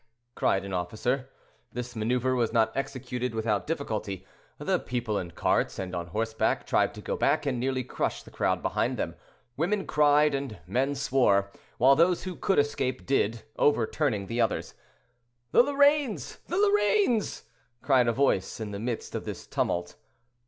cried an officer. This maneuver was not executed without difficulty; the people in carts and on horseback tried to go back, and nearly crushed the crowd behind them. Women cried and men swore, while those who could escape, did, overturning the others. "The Lorraines! the Lorraines!" cried a voice in the midst of this tumult.